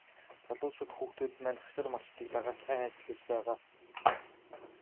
Залуучууд хүүхдүүд маань хашир малчдыг дагаад сайн ажиллаж байгаа.